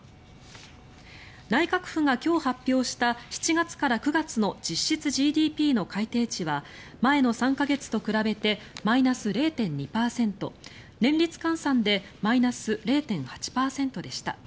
内閣府が今日発表した７月から９月の実質ＧＤＰの改定値は前の３か月と比べてマイナス０．２％年率換算でマイナス０．８％でした。